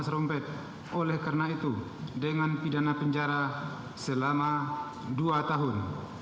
oleh karena itu dengan pidana penjara selama dua tahun